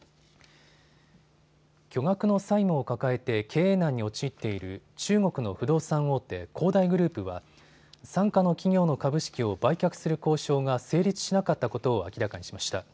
巨額の債務を抱えて経営難に陥っている中国の不動産大手、恒大グループは傘下の企業の株式を売却する交渉が成立しなかったことを明らかにしました。